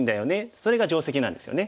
それが定石なんですよね。